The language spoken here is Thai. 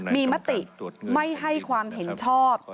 มีมติไม่ให้ความเห็นชอบ